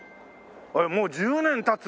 もう１０年経つ？